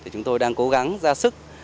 chúng tôi đang cố gắng ra sức